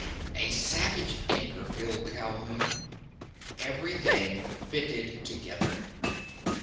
A savage anger filled Calhoun. Everything fitted together.